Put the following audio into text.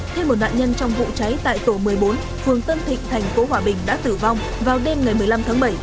thêm một nạn nhân trong vụ cháy tại tổ một mươi bốn phường tân thịnh thành phố hòa bình đã tử vong vào đêm ngày một mươi năm tháng bảy